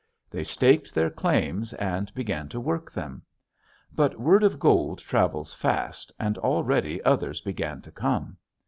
They staked their claims and began to work them. But word of gold travels fast and already others began to come.